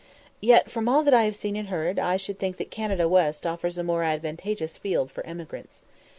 Yet, from all that I have seen and heard, I should think that Canada West offers a more advantageous field for emigrants.